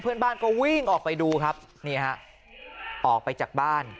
เพื่อนบ้านก็วิ่งออกไปดูครับนี่ฮะออกไปจากบ้าน